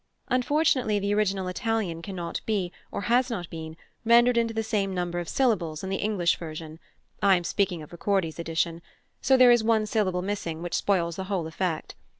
Unfortunately, the original Italian cannot be, or has not been, rendered into the same number of syllables in the English version (I am speaking of Ricordi's edition), so there is one syllable missing, which spoils the whole effect.